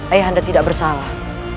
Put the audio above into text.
ayah anda tidak bersalah